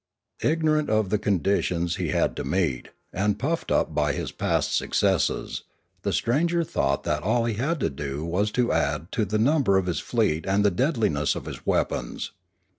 Ignorant of the conditions he had to meet, and puffed up by his past successes, the stranger thought that all he had to do was to add to the number of his fleet and the deadliness of his weapons.